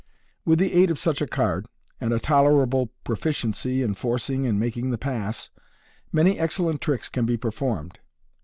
With the aid of such a card, and a tolerable proficiency in "forcing " and "making the pass," many excellent tricks can be per formed.